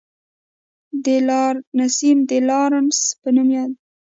د لارنسیم د لارنس په نوم دی.